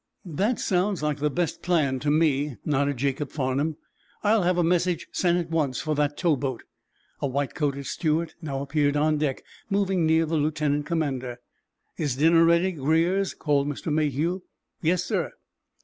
"That sounds like the best plan to me," nodded Jacob Farnum. "I'll have a message sent at once for that towboat." A white coated steward now appeared on deck, moving near the lieutenant commander. "Is dinner ready, Greers?" called Mr. Mayhew. "Yes, sir."